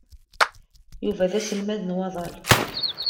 Yuba d aselmad n waddal.